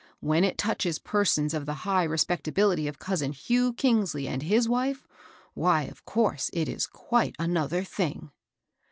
When it touches persons of the high respectability of counn Hugh Ejngsley and his wife, why, of course, it is quite another thing."